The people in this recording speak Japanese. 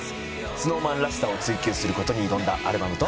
ＳｎｏｗＭａｎらしさを追求する事に挑んだアルバムとなっております。